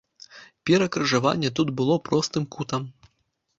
Перакрыжаванне тут было простым кутам.